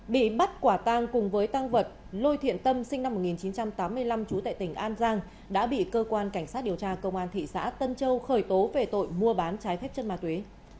bị bắt quả tang cùng với tăng vật lô thiện tâm sinh năm một nghìn chín trăm tám mươi năm trú tại tỉnh an giang đã bị cơ quan cảnh sát điều tra công an thị xã tân châu khởi tố về tội mua bán trái phép chất ma túy